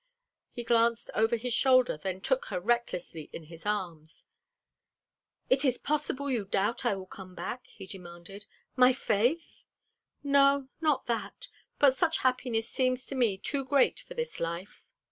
He glanced over his shoulder, then took her recklessly in his arms. "Is it possible you doubt I will come back?" he demanded. "My faith?" "No, not that. But such happiness seems to me too great for this life."